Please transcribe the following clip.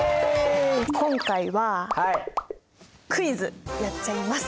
今回はクイズやっちゃいます。